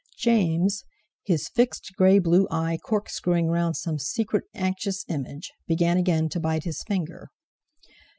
James, his fixed grey blue eye corkscrewing round some secret anxious image, began again to bite his finger.